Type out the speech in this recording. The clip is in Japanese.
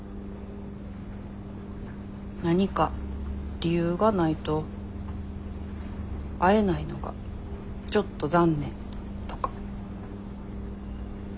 何か理由がないと会えないのがちょっと残念とか。